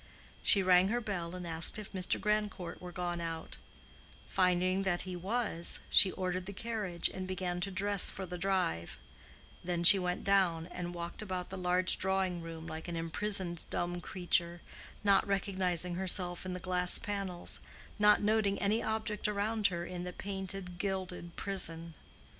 She rang her bell and asked if Mr. Grandcourt were gone out: finding that he was, she ordered the carriage, and began to dress for the drive; then she went down, and walked about the large drawing room like an imprisoned dumb creature, not recognizing herself in the glass panels, not noting any object around her in the painted gilded prison.